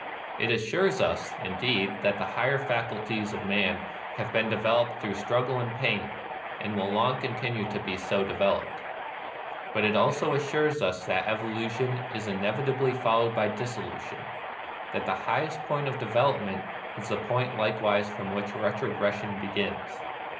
It as sures us, indeed, that the higher faculties of man have been developed through struggle and pain, and will long continue to be so de veloped ; but it also assures us that evolution is inevitably followed by dissolution, — that the highest point of development is the point likewise from which retrogression begins.